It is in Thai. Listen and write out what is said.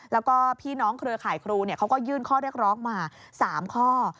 แล้วก็พี่น้องเครือข่ายครูเขาก็ยื่นข้อเรียกร้องมา๓ข้อ